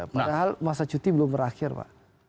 padahal masa cuti belum berakhir pak